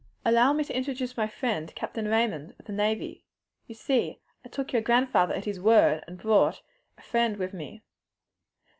"Allow me to introduce my friend, Captain Raymond, of the navy. You see I took your grandfather at his word and brought a friend with me."